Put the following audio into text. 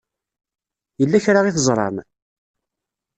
Yella kra i teẓṛam?